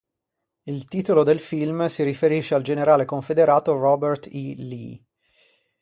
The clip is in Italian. Il titolo del film si riferisce al generale confederato Robert E. Lee.